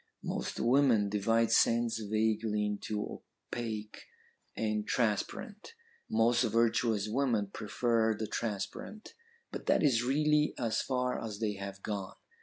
Most women divide scents vaguely into opaque and transparent; most virtuous women prefer the transparent. But that is really as far as they have gone.